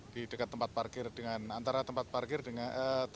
di dekat tempat parkir dengan antara tempat parkir dengan